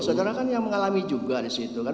saudara kan yang mengalami juga di situ kan